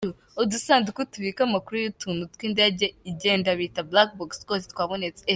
Udusanduku tubika amakuru y'ukuntu indege igenda bita black blox twose twabonetse.